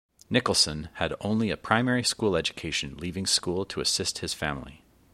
Nicholson had only a primary school education leaving school to assist his family.